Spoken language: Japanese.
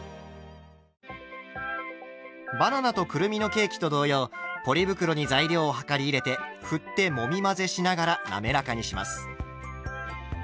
バナナとくるみのケーキと同様ポリ袋に材料を量り入れてふってもみ混ぜしながら滑らかにします。